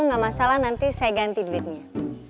nggak masalah nanti saya ganti duitnya